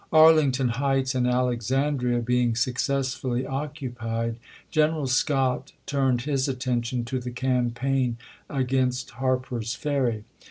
Arlington Heights and Alexandria being suc cessfully occupied, Greneral Scott turned his atten tion to the campaign against Harper's Ferry.